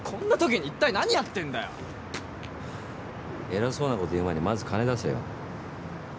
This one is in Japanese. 偉そうなこと言う前にまず金出せよ。